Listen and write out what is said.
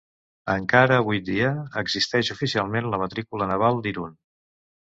Encara avui dia existeix oficialment la matrícula naval d'Irun.